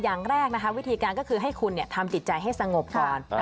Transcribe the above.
อย่างแรกนะคะวิธีการก็คือให้คุณทำจิตใจให้สงบก่อน